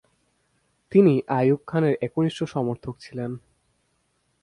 তিনি আইয়ুব খানের একনিষ্ঠ সমর্থক ছিলেন।